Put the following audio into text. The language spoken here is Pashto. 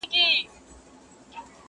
د ژوند راز درمان په یوه بیت کي رانغاړم.